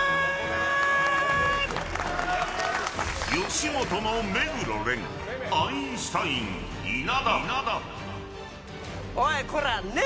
吉本の目黒蓮アインシュタイン稲田。